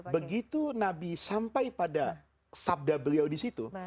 begitu nabi sampai pada sabda beliau disitu